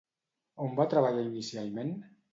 On va treballar inicialment?